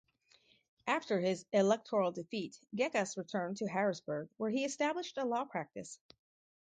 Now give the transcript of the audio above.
After his electoral defeat Gekas returned to Harrisburg where he established a law practice.